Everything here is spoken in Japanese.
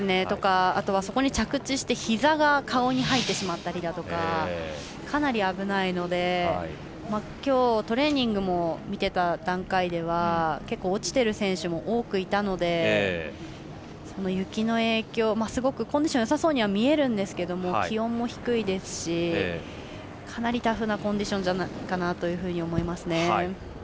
あとはそこに着地してひざが顔に入ってしまったりとかかなり危ないのできょうトレーニングも見てた段階でも結構、落ちている選手も多くいたので雪の影響、すごくコンディションよさそうには見えるんですけど気温も低いですしかなりタフなコンディションじゃないかなと思います。